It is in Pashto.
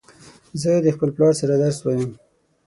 زه د خپل پلار سره درس وایم